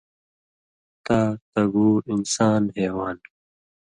تاء، تگُو، انسان، حیوان